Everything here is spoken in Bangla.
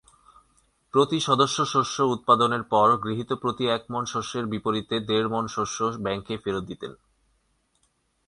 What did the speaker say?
প্রতি সদস্য শস্য উৎপাদনের পর গৃহীত প্রতি এক মণ শস্যের বিপরীতে দেড় মণ শস্য ব্যাংকে ফেরত দিতেন।